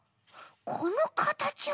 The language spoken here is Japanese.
このかたちは！